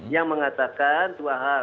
yang mengatakan dua hal